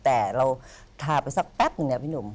แต่เราทาไปสักแป๊บหนึ่งเนี่ยพี่หนุ่ม